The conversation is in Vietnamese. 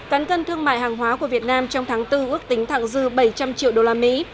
cắn cân thương mại hàng hóa của việt nam trong tháng bốn ước tính thẳng dư bảy trăm linh triệu usd